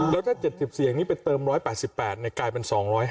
แล้วถ้า๗๐เสียงนี้ไปเติม๑๘๘กลายเป็น๒๕๐